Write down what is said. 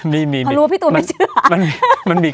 นี่พอรู้ว่าพี่ตูนไม่เชื่อ